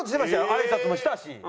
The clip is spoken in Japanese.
あいさつもしたし。